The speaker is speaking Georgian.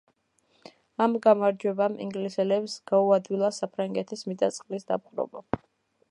ამ გამარჯვებამ ინგლისელებს გაუადვილა საფრანგეთის მიწა-წყლის დაპყრობა.